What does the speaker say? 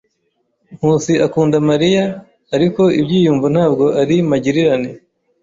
Nkusi akunda Mariya, ariko ibyiyumvo ntabwo ari magirirane.